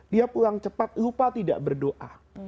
dia pulang cepat lupa tidak berdoa